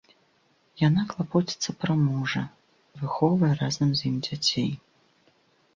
Яна клапоціцца пра мужа, выхоўвае разам з ім дзяцей.